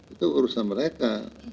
itu urusan mereka